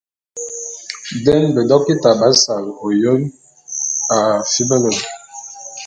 Den bedokita b'asal ôyôn a fibele.